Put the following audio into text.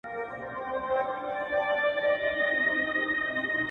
نه مي د چا پر زنكون خـوب كـــړيــــــــدى”